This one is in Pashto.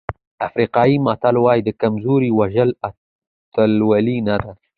افریقایي متل وایي د کمزوري وژل اتلولي نه ده.